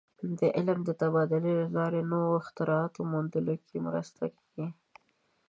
د علم د تبادلې له لارې د نوو اختراعاتو موندلو کې مرسته کېږي.